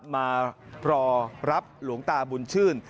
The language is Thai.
มารอรับหลวงตาบุญชื่น